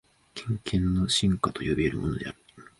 経験の深化と呼び得るものである。